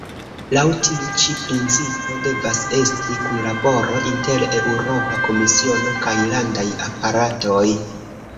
Laŭ tiu ĉi principo devas esti kunlaboro inter Eŭropa Komisiono kaj landaj aparatoj.